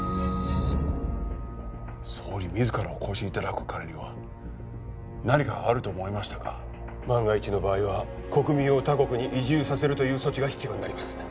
総理自らお越しいただくからには何かあると思いましたが万が一の場合は国民を他国に移住させるという措置が必要になります